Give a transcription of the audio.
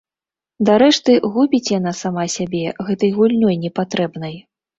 Дарэшты губіць яна сама сябе гэтай гульнёй непатрэбнай.